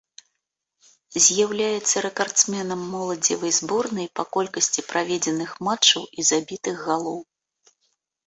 З'яўляецца рэкардсменам моладзевай зборнай па колькасці праведзеных матчаў і забітых галоў.